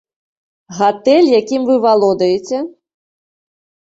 Гатэль, якім вы валодаеце?